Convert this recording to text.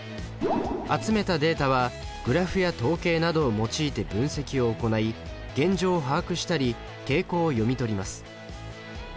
集めたデータはグラフや統計などを用いて分析を行い現状を把握したり傾向を読み取ります。